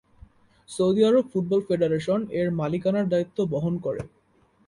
Saudi Arab football federation এর মালিকানার দায়িত্ব বহন করে।